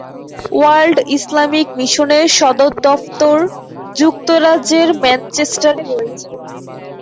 World Islamic মিশনের সদর দফতর যুক্তরাজ্যের ম্যানচেস্টারে রয়েছে।